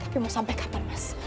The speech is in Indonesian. tapi mau sampai kapan mas